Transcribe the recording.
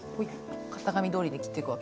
型紙どおりで切っていくわけですね。